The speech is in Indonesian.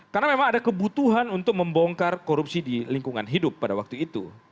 karena memang ada kebutuhan untuk membongkar korupsi di lingkungan hidup pada waktu itu